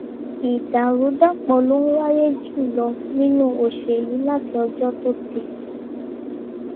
Ìdàrúdàpọ̀ ló ń wáyé jù lọ nínú òṣèlú láti ọjọ́ tó ti pẹ́.